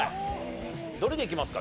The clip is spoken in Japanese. どれでいきますか？